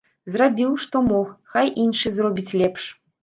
Зрабіў, што мог, хай іншы зробіць лепш.